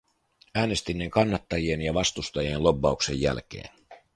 Äänestin näin kannattajien ja vastustajien lobbauksen jälkeen.